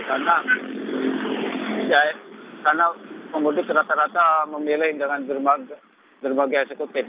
karena pemudik rata rata memilih dengan dermaga eksekutif